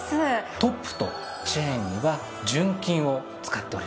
トップとチェーンには純金を使っております。